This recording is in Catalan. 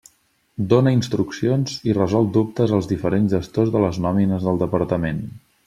Dóna instruccions i resol dubtes als diferents gestors de les nòmines del Departament.